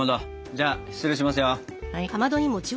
じゃあ失礼しますよ。